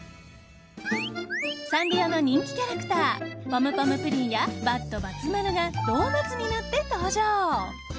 サンリオの人気キャラクターポムポムプリンやバッドばつ丸がドーナツになって登場！